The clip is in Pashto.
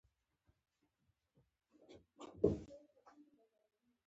هغوی یوځای د صادق سمندر له لارې سفر پیل کړ.